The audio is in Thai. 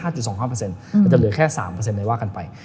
อาจจะเหลือแค่๓ในว่ากันไป